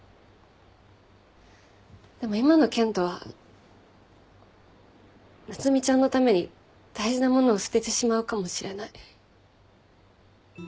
でも今の健人は夏海ちゃんのために大事なものを捨ててしまうかもしれない。